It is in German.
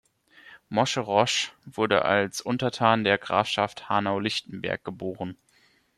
Moscherosch wurde als Untertan der Grafschaft Hanau-Lichtenberg geboren.